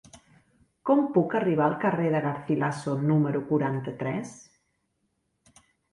Com puc arribar al carrer de Garcilaso número quaranta-tres?